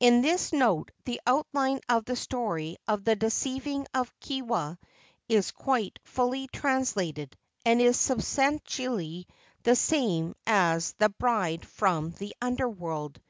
In this note the outline of the story of the deceiving of Kewa is quite fully translated, and is substantially the same as "The Bride from the Under world."